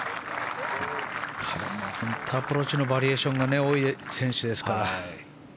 彼は本当にアプローチのバリエーションが多い選手ですから。